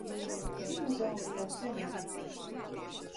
Dinozauri jau sen izmiruši